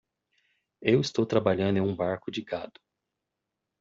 Eu estou trabalhando em um barco de gado.